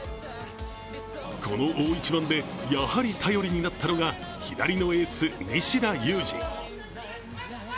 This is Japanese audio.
この大一番でやはり頼りになったのが、左のエース・西田有志。